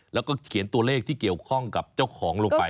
แล้วก็เขียนตัวเลขที่เกี่ยวข้องกับเจ้าของลงไป